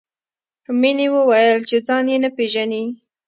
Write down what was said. مینې وویل چې ځای یې نه پېژني